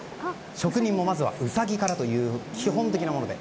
職人もまずはウサギからという基本的なもので。